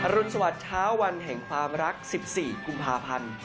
รุนสวัสดิ์เช้าวันแห่งความรัก๑๔กุมภาพันธ์